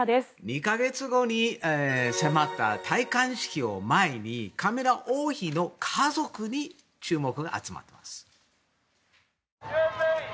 ２か月後に迫った戴冠式を前にカミラ王妃の家族に注目が集まっています。